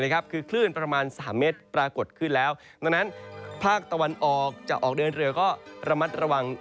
คือขึ้นประมาณ๓เมตรปรากฏขึ้นแล้ว